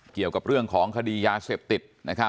เกี่ยวกับเรื่องของคดียาเสพติด